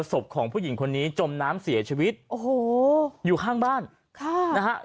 ศพของผู้หญิงคนนี้จมน้ำเสียชีวิตโอ้โหอยู่ข้างบ้านค่ะนะฮะ